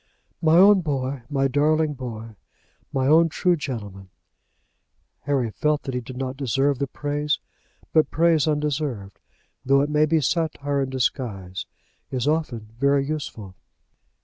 "My own boy; my darling boy; my own true gentleman!" Harry felt that he did not deserve the praise; but praise undeserved, though it may be satire in disguise, is often very useful.